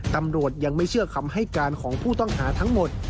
ตำรวจยังไม่เชื่อคำให้การของผู้ต้องหาทั้งหมด